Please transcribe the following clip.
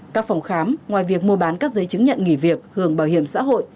các phòng khám ngoài việc mua bán các giấy chứng nhận nghỉ việc hưởng bảo hiểm xã hội